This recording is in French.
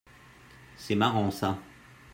C'est marrant ça.